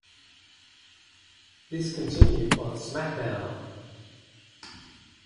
This continued on SmackDown!